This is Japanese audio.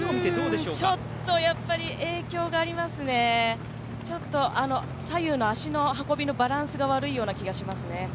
ちょっと影響がありますね、左右の足の運びのバランスが悪いような気がしますね。